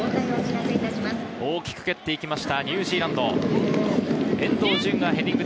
大きく蹴って行きました、ニュージーランド。